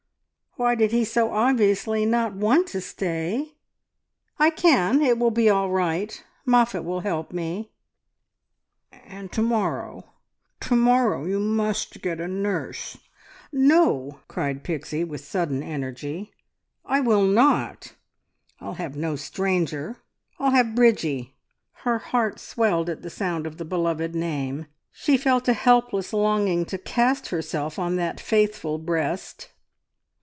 Why did he so obviously not want to stay? "I can. It will be all right. Moffatt will help me." "And to morrow ... to morrow you must get a nurse!" "No!" cried Pixie with sudden energy, "I will not. I'll have no stranger. I'll have Bridgie." Her heart swelled at the sound of the beloved name; she felt a helpless longing to cast herself on that faithful breast.